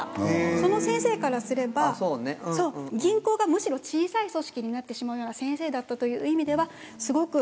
その先生からすれば銀行がむしろ小さい組織になってしまうような先生だったという意味では。